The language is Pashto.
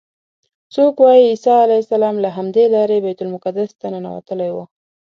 څوک وایي عیسی علیه السلام له همدې لارې بیت المقدس ته ننوتلی و.